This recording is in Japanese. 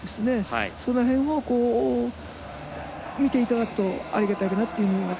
その辺を、見ていただくとありがたいかなと思います。